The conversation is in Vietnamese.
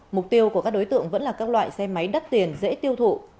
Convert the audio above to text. mục tiêu của các đối tượng vẫn là các loại xe máy đắt tiền dễ tiêu thụ